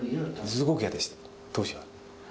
すごく嫌でした、当時は。